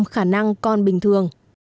hai mươi năm khả năng con bình thường